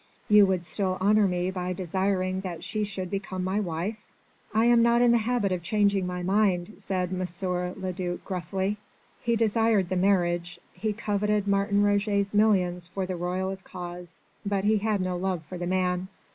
You would still honour me by desiring that she should become my wife?" "I am not in the habit of changing my mind," said M. le duc gruffly. He desired the marriage, he coveted Martin Roget's millions for the royalist cause, but he had no love for the man.